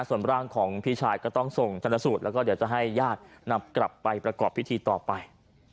ส่วนร่างของพี่ชายก็ต้องส่งชนสูตรแล้วก็เดี๋ยวจะให้ญาตินำกลับไปประกอบพิธีต่อไป